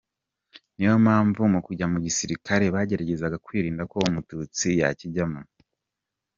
Niyo mpamvu mu kujya mu gisirikare bageragezaga kwirinda ko Umututsi yakijyamo.